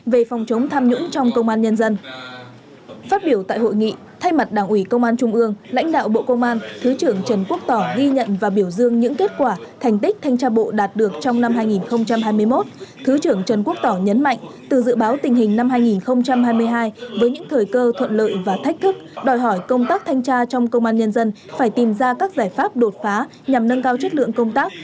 và chúc mừng những kết quả thành tích mà công an tỉnh quảng ninh đã đạt được trong năm hai nghìn hai mươi một